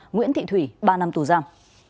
nguyễn thị thủy ba năm tù giam